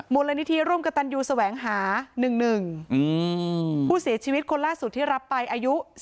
มูลนิธิร่วมกับตันยูแสวงหา๑๑ผู้เสียชีวิตคนล่าสุดที่รับไปอายุ